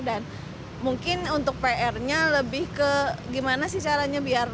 dan mungkin untuk pr nya lebih ke gimana sih caranya biar taksi online ini bisa dikawal